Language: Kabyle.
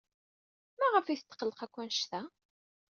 Maɣef ay tetqelliq akk anect-a?